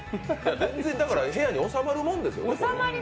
全然、だから部屋に収まるものなんですよね。